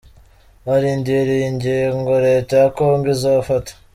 Barindiriye ingingo leta ya Congo izofata.